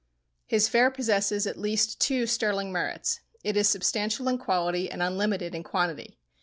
His fare possesses at least two sterling merits. It is substantial in quality and unlimited in quantity.